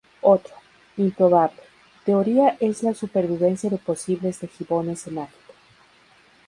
Otro, improbable, teoría es la supervivencia de posibles de gibones en África.